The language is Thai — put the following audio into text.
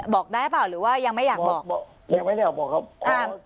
บอกได้เปล่าหรือว่ายังไม่อยากบอกบอกยังไม่ได้อยากบอกครับอ่า